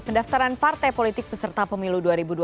pendaftaran partai politik peserta pemilu